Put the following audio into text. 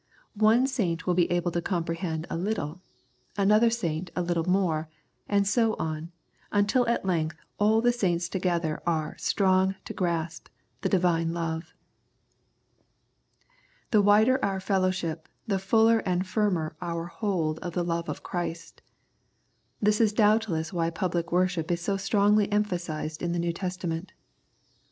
One saint will be able to comprehend a little, another saint a little more, and so on, until at length all the saints together are " strong to grasp " the Divine love. The wider our fellowship the fuller and firmer our hold of the love of Christ. This is doubtless why pubHc worship is so strongly emphasised in the New Testament.